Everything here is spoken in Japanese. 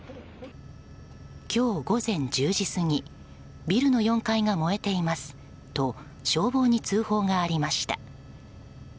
今日午前１０時過ぎビルの４階が燃えていますと消防に通報がありました。